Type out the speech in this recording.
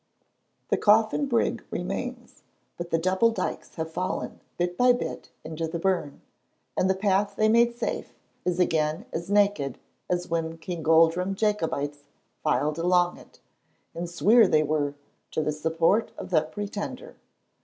The Coffin Brig remains, but the double dykes have fallen bit by bit into the burn, and the path they made safe is again as naked as when the Kingoldrum Jacobites filed along it, and sweer they were, to the support of the Pretender.